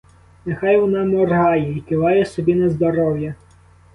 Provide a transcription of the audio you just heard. Нехай вона моргає й киває собі на здоров'я!